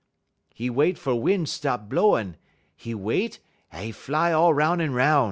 "'E wait fer win' stop blowin'; 'e wait, un 'e fly all 'roun' un 'roun'.